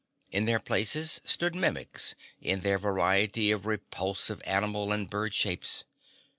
In their places stood Mimics in their variety of repulsive animal and bird shapes.